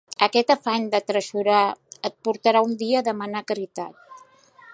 Aquest afany d'atresorar et portarà un dia a demanar caritat